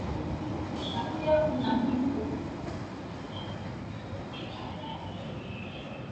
wazee wa jamii ya Wabukusu waliamua kwenda kuifukua baadhi ya miili ya wapendwa wao